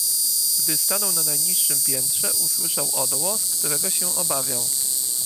Gdy stanął na najniższym piętrze, usłyszał odgłos, którego się obawiał.